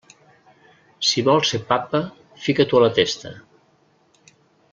Si vols ser papa, fica-t'ho a la testa.